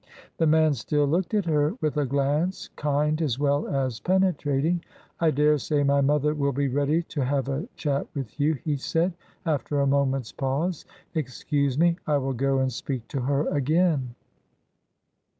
The man still looked at her, with a glance kind as well as penetrating. "I daresay my mother will be ready to have a chat with you," he said, after a moment's pause. "Excuse me; I will go and speak to her again."